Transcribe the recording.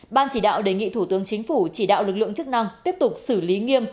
ban chỉ đạo đề nghị thủ tướng chính phủ chỉ đạo lực lượng chức năng tiếp tục xử lý nghiêm